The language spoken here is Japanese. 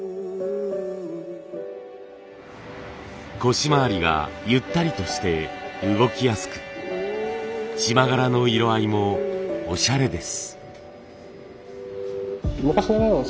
腰回りがゆったりとして動きやすく縞柄の色合いもオシャレです。